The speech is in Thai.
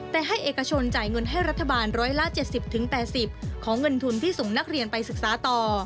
แต่ให้เอกชนจ่ายเงินให้รัฐบาล๑๗๐๘๐ของเงินทุนที่ส่งนักเรียนไปศึกษาต่อ